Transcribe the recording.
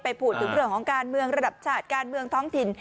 พูดถึงเรื่องของการเมืองระดับชาติการเมืองท้องถิ่น